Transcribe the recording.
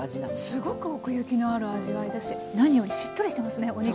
すごく奥行きのある味わいだし何よりしっとりしてますねお肉が。